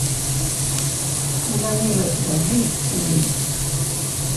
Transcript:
Ala imreffhen i itetten din.